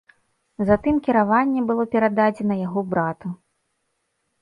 Затым кіраванне было перададзена яго брату.